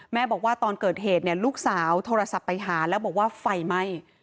แม่บอกว่าตอนเกิดเหตุเนี่ยลูกสาวโทรศัพท์ไปหาแล้วบอกว่าไฟไหม้